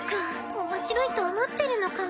おもしろいと思ってるのかな。